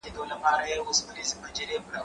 زه اوس د ښوونځی لپاره امادګي نيسم.